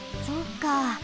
そうか。